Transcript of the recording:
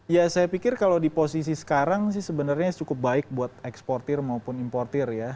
ya saya pikir kalau di posisi sekarang sih sebenarnya cukup baik buat eksportir maupun importir ya